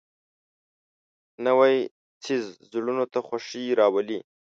نوی څېز زړونو ته خوښي راولي